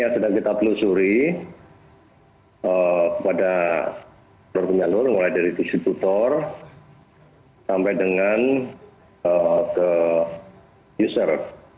jadi ini kita telusuri pada penyeluruh mulai dari institutor sampai dengan user